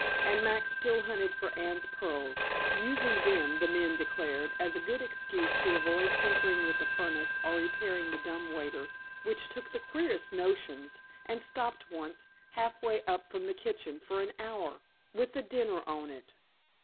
And Max still hunted for Anne's pearls, using them, the men declared, as a good excuse to avoid tinkering with the furnace or repairing the dumb waiter, which took the queerest notions, and stopped once, half way up from the kitchen, for an hour, with the dinner on it.